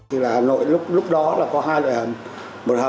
hà nội lúc đó có hai loại hầm